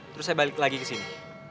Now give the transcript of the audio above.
terus saya balik lagi ke sini